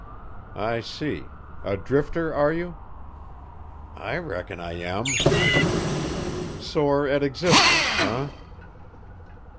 "I see. A drifter, are you?" "I reckon I am." "Sore at existence, eh?"